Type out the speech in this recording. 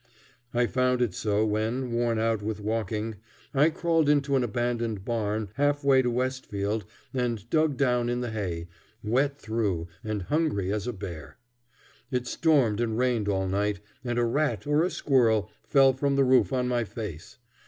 I found it so when, worn out with walking, I crawled into an abandoned barn halfway to Westfield and dug down in the hay, wet through and hungry as a bear. It stormed and rained all night, and a rat or a squirrel fell from the roof on my face.